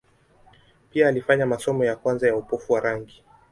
Pia alifanya masomo ya kwanza ya upofu wa rangi.